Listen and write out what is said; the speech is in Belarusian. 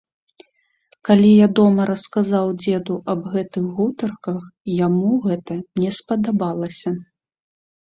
Калі я дома расказаў дзеду аб гэтых гутарках, яму гэта не спадабалася.